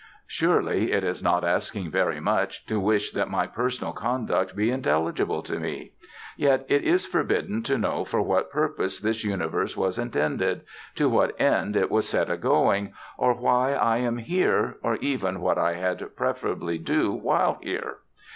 Surely it is not asking very much to wish that my personal conduct be intelligible to me! Yet it is forbidden to know for what purpose this universe was intended, to what end it was set a going, or why I am here, or even what I had preferably do while here.